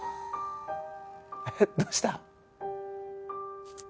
どうした？